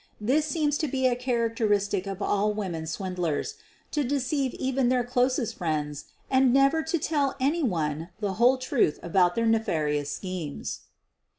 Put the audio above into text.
This seems to be a characteristic of all women swindlers — to deceive even their closest friends and never to tell any one the whole truth about their nefarious schemes.